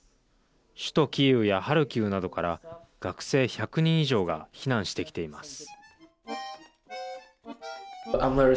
首都キーウやハルキウなどから学生１００人以上が避難してきています。